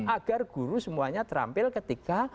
agar guru semuanya terampil ketika